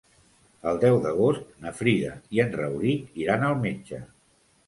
El deu d'agost na Frida i en Rauric iran al metge.